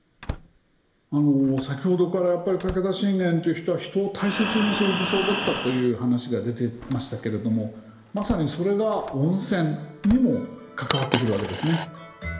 先ほどからやっぱり武田信玄という人は人を大切にする武将だったという話が出てましたけれどもまさにそれが温泉にも関わってくるわけですね。